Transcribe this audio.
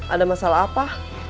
ada masalah apa